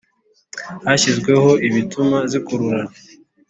hashyizwemo ibituma zikururana